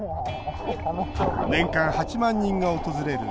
年間８万人が訪れる